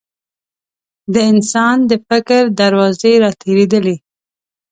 د انسان د فکر دروازې راتېرېدلې.